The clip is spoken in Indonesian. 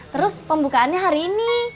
terus pembukaannya hari ini